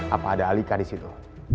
apa ada alika di situ